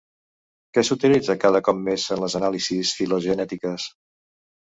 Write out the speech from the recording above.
Què s'utilitza cada cop més en les anàlisis filogenètiques?